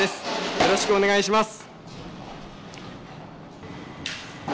よろしくお願いします。